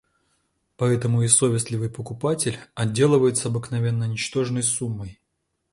Поэтому и совестливый покупатель отделывается обыкновенно ничтожной суммой.